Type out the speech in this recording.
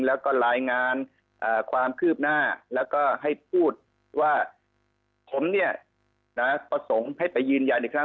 แล้วก็ลายงานความครืบหน้าและก็ให้พูดผมเนี่ยให้ไปยืนยันอีกครั้ง